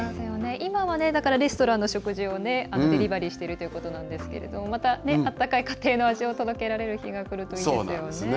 今はレストランの食事をデリバリーしてるということなんですがまた、温かい家庭の味を届けられる日がくるといいですね。